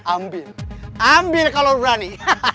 ambil ambil kalau berani